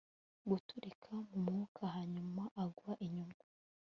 Guturika mu mwuka hanyuma agwa inyuma